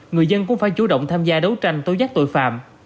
người dân cũng phải chủ động tham gia đấu tranh tối giác tội phạm